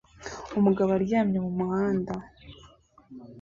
Umugabo aryamye mu muhanda